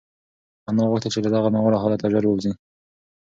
انا غوښتل چې له دغه ناوړه حالته ژر ووځي.